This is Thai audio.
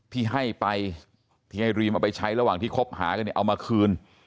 ที่ให้ไปที่ให้รีมเอาไปใช้ระหว่างที่คบหากันเนี่ยเอามาคืน